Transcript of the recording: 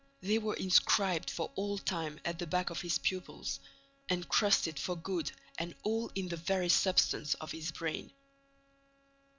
They were inscribed for all time at the back of his pupils, encrusted for good and all in the very substance of his brain!